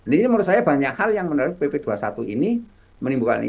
ini menurut saya banyak hal yang menurut pp dua puluh satu ini menimbulkan